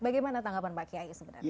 bagaimana tanggapan pak kiai sebenarnya